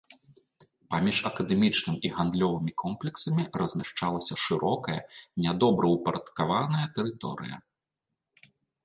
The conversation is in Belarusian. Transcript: Паміж акадэмічным і гандлёвымі комплексамі размяшчалася шырокая нядобраўпарадкаваная тэрыторыя.